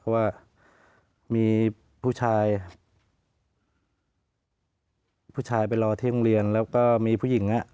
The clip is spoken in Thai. เพราะว่ามีผู้ชายผู้ชายไปรอที่โรงเรียนแล้วก็มีผู้หญิง